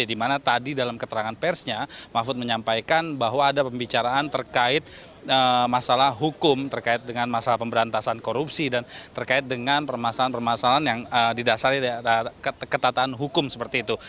dimana tadi dalam keterangan persnya mahfud menyampaikan bahwa ada pembicaraan terkait masalah hukum terkait dengan masalah pemberantasan korupsi dan terkait dengan permasalahan permasalahan yang didasari ketataan hukum seperti itu